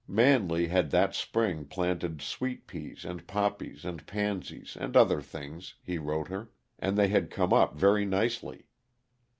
Manley had that spring planted sweet peas, and poppies, and pansies, and other things, he wrote her, and they had come up very nicely.